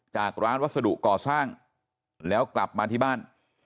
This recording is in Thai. จากร้านวัสดุก่อสร้างแล้วกลับมาที่บ้าน